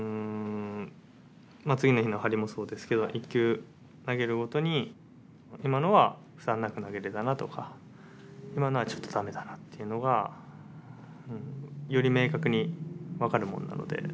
次の日の張りもそうですけど１球投げるごとに今のは負担なく投げれたなとか今のはちょっと駄目だなっていうのがより明確に分かるものなので。